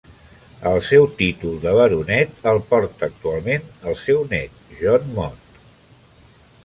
El seu títol de baronet el porta actualment el seu nét, John Mott.